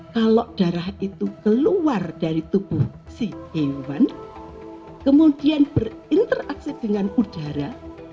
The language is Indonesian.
kalau darah itu keluar dari tubuh si hewan kemudian berinteraksi dengan udara